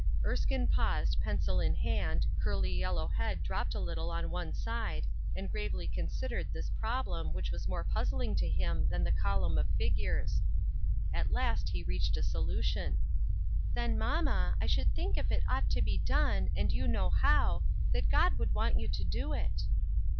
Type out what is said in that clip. Erskine paused, pencil in hand, curly yellow head dropped a little on one side, and gravely consid ered this problem which was more puzzling to him than the column of figures ; at last he reached a solution :" Then, mamma, I should think if it ought to be done, and you know how, that God would want you to do it."